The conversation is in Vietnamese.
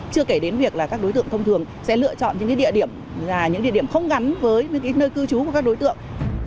chưa kể đến việc các đối tượng thông thường sẽ lựa chọn những địa điểm không gắn với nơi cư trú của các đối tượng